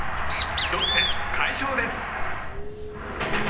ロッテ、快勝です。